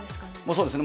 そうですね。